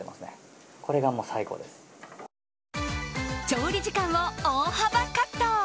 調理時間を大幅カット！